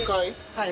はい。